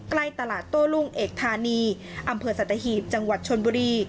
ใกล้ตลาดโต้รุ่งเอกธานีอำเภอสัตหีบจังหวัดชนบุรี